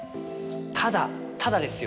ただただですよ。